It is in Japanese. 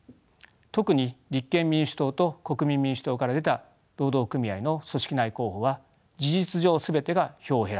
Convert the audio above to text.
特に立憲民主党と国民民主党から出た労働組合の組織内候補は事実上全てが票を減らしました。